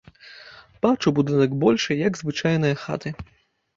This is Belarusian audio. Бачу будынак большы, як звычайныя хаты.